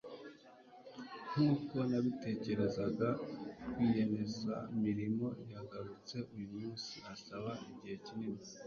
nkuko nabitekerezaga, rwiyemezamirimo yagarutse uyumunsi, asaba igihe kinini